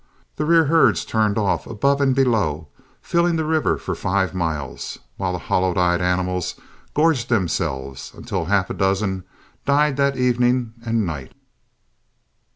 The rear herds turned off above and below, filling the river for five miles, while the hollow eyed animals gorged themselves until a half dozen died that evening and night.